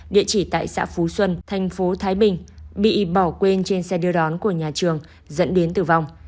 địa chỉ tại xã phú xuân thành phố thái bình bị bỏ quên trên xe đưa đón của nhà trường dẫn đến tử vong